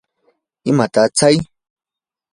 ¿imataq tsay?